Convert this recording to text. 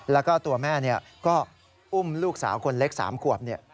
แล้วก็ตัวแม่ก็อุ้มลูกสาวคนเล็ก๓ขวบ